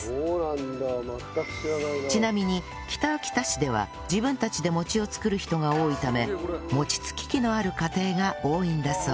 ちなみに北秋田市では自分たちで餅を作る人が多いため餅つき機のある家庭が多いんだそう